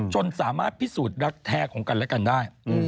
จนสามารถพิสูจน์รักแท้ของกันและกันได้